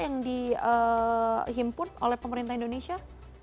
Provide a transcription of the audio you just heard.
yang dihimpun oleh pemerintah indonesia